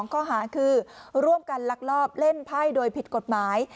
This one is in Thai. ข้อหาคือร่วมกันลักลอบเล่นไพ่โดยผิดกฎหมาย